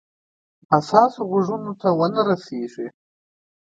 حساسو غوږونو ونه رسیږي.